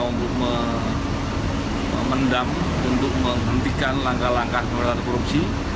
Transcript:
untuk memendam untuk menghentikan langkah langkah pemberantasan korupsi